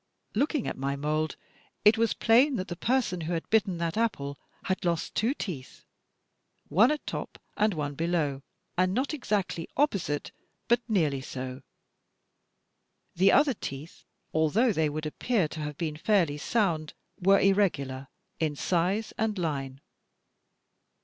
Looking at my mould, it was plain that the person who had bitten that apple had lost two teeth, one at top and one below, not exactly opposite, but nearly so. The other teeth, although they would appear to have been fairly soimd, were irregular in size and line.